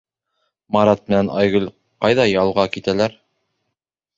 Марат менән Айгөл ҡайҙа ялға китәләр?